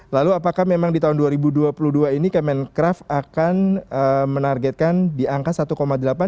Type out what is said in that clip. lalu apakah memang di tahun dua ribu dua puluh dua ini kemenkraf akan menargetkan di angka satu delapan